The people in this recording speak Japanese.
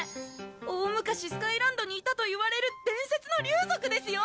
大昔スカイランドにいたといわれる伝説の竜族ですよ！